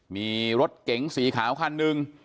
มีรถเก๋งสีขาวคันหนึ่ง